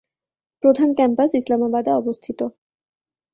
প্রধান ক্যাম্পাস ইসলামাবাদে অবস্থিত।